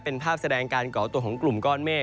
เป็นภาพแสดงการก่อตัวของกลุ่มก้อนเมฆ